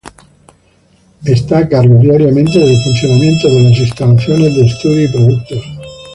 Está a cargo diariamente del funcionamiento de las instalaciones de estudio y productos.